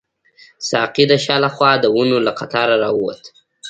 ساقي د شا له خوا د ونو له قطاره راووت.